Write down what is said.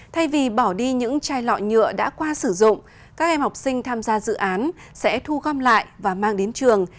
thay vì bỏ đi những chai lọ nhựa đã qua sử dụng các em học sinh tham gia dự án sẽ thu gom lại và mang đến trường